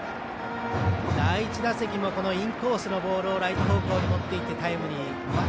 第１打席もインコースのボールをライト方向に持っていってタイムリー。